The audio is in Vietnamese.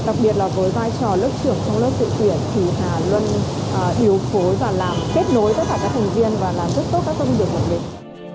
đặc biệt là với vai trò lớp trưởng trong lớp diễn tuyển thì hà luôn yếu phối và làm kết nối tất cả các thành viên và làm rất tốt các công việc của mình